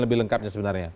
lebih lengkapnya sebenarnya